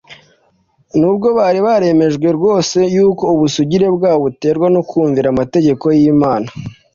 nubwo bari baremejwe rwose yuko ubusugire bwabo buterwa no kumvira amategeko y'Imana.